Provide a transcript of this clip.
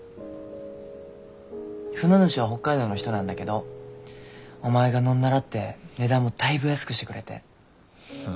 船主は北海道の人なんだけどお前が乗んならって値段もだいぶ安くしてくれて。